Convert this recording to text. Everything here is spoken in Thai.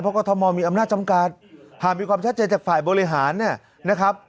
เพราะทศมมีอำนาจำการหากมีความชัดเจนจากฝ่ายบริหารนะครับ